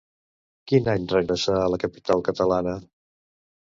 Quin any regressà a la capital catalana?